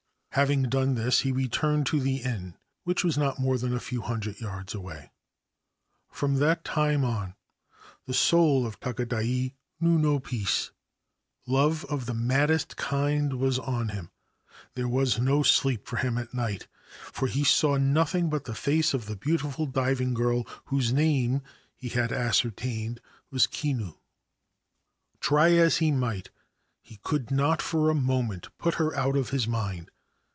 Having done this, he returned to his inn, which was not more than a few hundred yards away. Ancient Tales and Folklore of Japan From that time on the soul of Takadai knew no peace Love of the maddest kind was on him. There was nc sleep for him at night, for he saw nothing but the face ol the beautiful diving girl, whose name (he had ascertained^ was Kinu. Try as he might, he could not for a momeni put her out of his mind.